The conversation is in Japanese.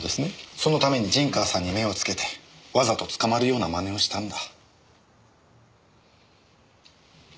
そのために陣川さんに目を付けてわざと捕まるような真似をしたんだ。